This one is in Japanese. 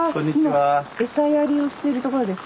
今餌やりをしてるところですか？